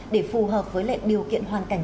để phù hợp với lệnh điều kiện hoàn cảnh